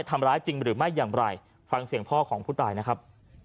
ทำร้ายจริงหรือไม่อย่างไรฟังเสียงพ่อของผู้ตายนะครับ